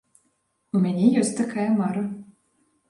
У мяне ёсць такая мара.